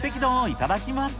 いただきます。